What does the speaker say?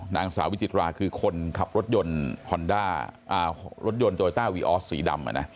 นางสาววิจิตราคือคนขับรถยนต์ฮอนด้ารถยนต์โยต้าวีออสสีดำ